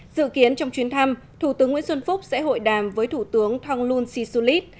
dự kiến trong chuyến thăm thủ tướng nguyễn xuân phúc sẽ hội đàm với thủ tướng thonglun sisulit